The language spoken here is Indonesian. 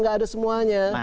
tidak ada semuanya